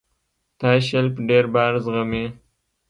دا شیلف ډېر بار زغمي.